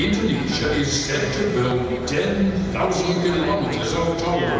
indonesia akan menyiapkan sepuluh juta perusahaan